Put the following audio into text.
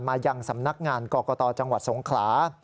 มายังสำนักงานกรกตจังหวัดสงขลา